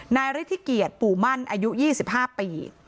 นายริทิเกียจปู่มั่นอายุ๒๕ปี